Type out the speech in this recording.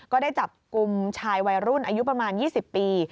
ก็ได้จับกลุ่มชายวัยรุ่นอายุประมาณ๒๐ปี